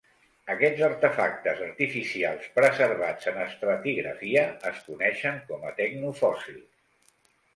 Aquests artefactes artificials preservats en estratigrafia es coneixen com a "tecnofòssils".